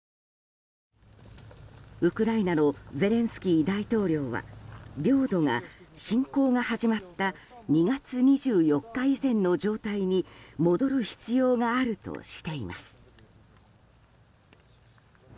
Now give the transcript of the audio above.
ウクライナのゼレンスキー大統領は領土が、侵攻が始まった２月２４日以前の状態に戻る必要があるとしています。